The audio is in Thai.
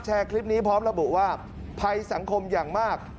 คลิปนี้พร้อมระบุว่าภัยสังคมอย่างมาก